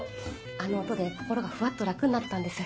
あの音で心がふわっと楽になったんです。